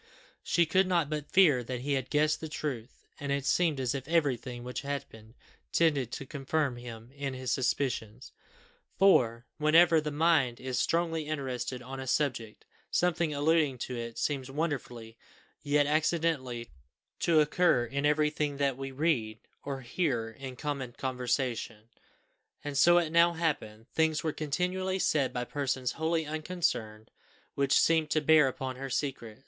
She could not but fear that he had guessed the truth; and it seemed as if everything which happened tended to confirm him in his suspicions; for, whenever the mind is strongly interested on any subject, something alluding to it seems wonderfully, yet accidentally, to occur in everything that we read, or hear in common conversation, and so it now happened; things were continually said by persons wholly unconcerned, which seemed to bear upon her secret.